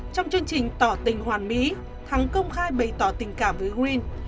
trong chương trình tỏ tình hoàn mỹ thắng công khai bày tỏ tình cảm với green